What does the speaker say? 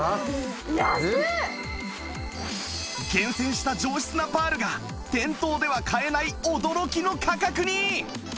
厳選した上質なパールが店頭では買えない驚きの価格に！